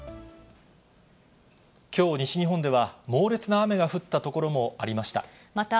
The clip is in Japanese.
きょう、西日本では猛烈な雨が降った所もありました。